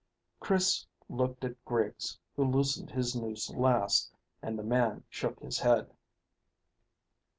Chris looked at Griggs, who loosened his noose last, and the man shook his head.